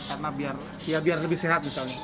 karena biar lebih sehat misalnya